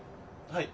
はい。